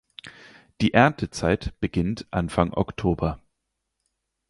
Die Erntezeit beginnt Anfang Oktober.